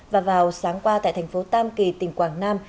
và vào sáng qua tại thành phố tam kỳ tỉnh quảng nam